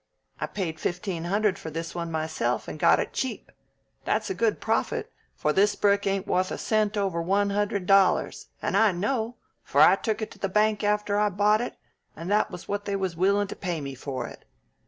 I paid fifteen hundred for this one myself, and got it cheap. That's a good profit, for this brick ain't wuth a cent over one hundred dollars, and I know, for I took it to the bank after I bought it, and that's what they was willin' to pay me for it.